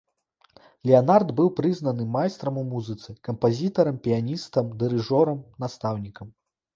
Леанард быў прызнаным майстрам у музыцы, кампазітарам, піяністам, дырыжорам, настаўнікам.